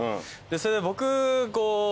それで僕。